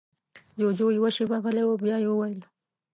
جُوجُو يوه شېبه غلی و، بيا يې وويل: